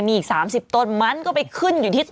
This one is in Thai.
มีอีก๓๐ต้นมันก็ไปขึ้นอยู่ที่ต้น